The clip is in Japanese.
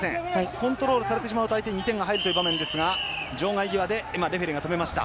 コントロールされてしまうと相手に２点入る場面ですが場外際で今、レフェリーが止めました。